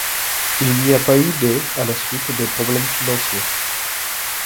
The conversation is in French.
Il n'y a pas eu de à la suite des problèmes financiers.